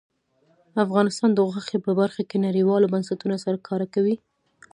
افغانستان د غوښې په برخه کې نړیوالو بنسټونو سره کار کوي.